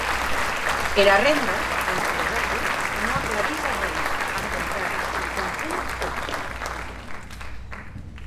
Era renda, entà nosati, non esclarís arren; ath contrari, ac confon tot.